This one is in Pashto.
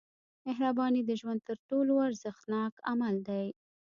• مهرباني د ژوند تر ټولو ارزښتناک عمل دی.